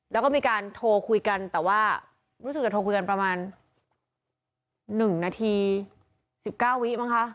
แล้วก็มีการโทรคุยกันแต่ว่ารู้สึกจะโทรคุยกันประมาณ๑นาที๑๙วิมั้งคะ